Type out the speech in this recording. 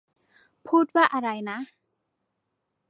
พูดว่าอะไรนะ ?